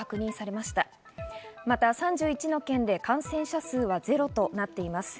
また、３１の県で感染者数はゼロとなっています。